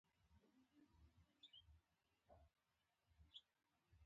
لکه د سر نه چې يو راښکلی ربر بېنډ تاو وي